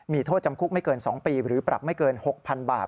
มีโทษจำคุกไม่เกิน๒ปีหรือปรับไม่เกิน๖๐๐๐บาท